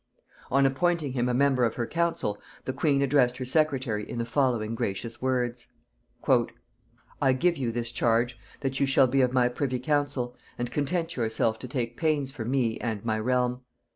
On appointing him a member of her council, the queen addressed her secretary in the following gracious words: "I give you this charge, that you shall be of my privy council, and content yourself to take pains for me and my realm.